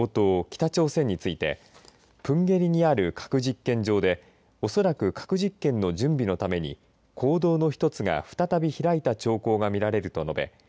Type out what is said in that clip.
北朝鮮についてプンゲリにある核実験場で恐らく核実験の準備のために坑道の１つが再び開いた兆候が見られると述べ